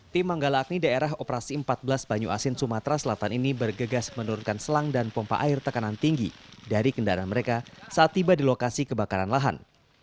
tim manggala agni daerah operasi empat belas banyu asin sumatera selatan ini bergegas menurunkan selang dan pompa air tekanan tinggi dari kendaraan mereka saat tiba di lokasi kebakaran lahan